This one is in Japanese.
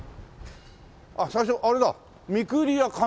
あっ最初あれだ御厨亀